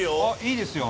いいですよ。